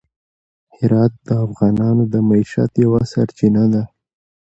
هرات د افغانانو د معیشت یوه سرچینه ده.